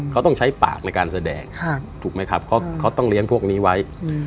เขาต้องใช้ปากในการแสดงถูกไหมครับเขาต้องเลี้ยงพวกนี้ไว้